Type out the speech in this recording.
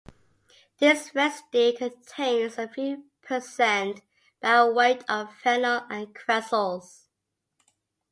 This residue contains a few percent by weight of phenol and cresols.